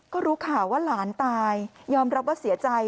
ก็รู้ข่าวว่าหลานตายยอมรับว่าเสียใจ